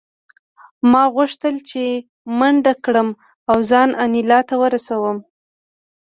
ما غوښتل چې منډه کړم او ځان انیلا ته ورسوم